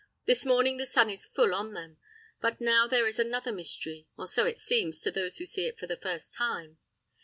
This morning the sun is full on them, but now there is another mystery—or so it seems to those who see it for the first time.